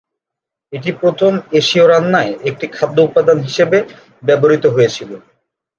এটি প্রথম এশিয় রান্নায় একটি খাদ্য উপাদান হিসাবে ব্যবহৃত হয়েছিল।